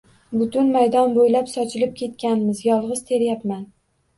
Butun maydon boʻylab sochilib ketganmiz. Yolgʻiz teryapman.